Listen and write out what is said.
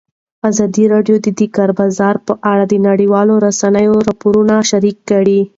ازادي راډیو د د کار بازار په اړه د نړیوالو رسنیو راپورونه شریک کړي.